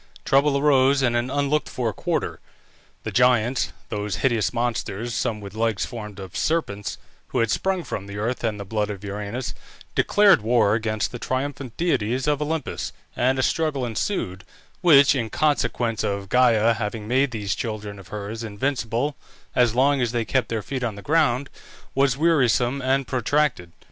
Trouble arose in an unlooked for quarter. The Giants, those hideous monsters (some with legs formed of serpents) who had sprung from the earth and the blood of Uranus, declared war against the triumphant deities of Olympus, and a struggle ensued, which, in consequence of Gæa having made these children of hers invincible as long as they kept their feet on the ground, was wearisome and protracted.